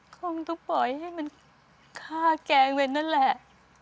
คงต้องปล่อยให้มันฆ่าแกไว้นั่นแหละ